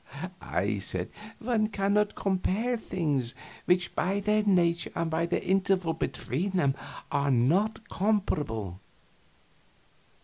I said, "One cannot compare things which by their nature and by the interval between them are not comparable."